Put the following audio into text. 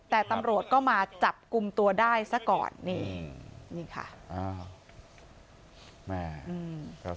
แต่ตำรวจก็มาจับกลุ่มตัวได้ซะก่อนนี่นี่ค่ะ